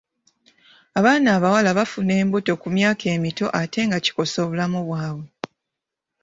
Abaana abawala bafuna embuto ku myaka emito ate nga kikosa obulamu bwabwe.